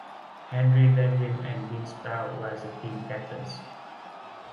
Henry Levin and Bill Starr were the team captains.